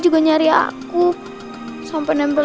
gak ada apa apa